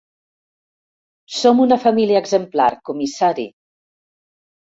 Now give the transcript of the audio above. Som una família exemplar, comissari.